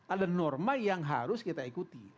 ada norma yang harus kita ikuti